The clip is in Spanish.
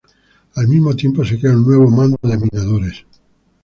Al mismo tiempo, se creó un nuevo "Mando de Minadores".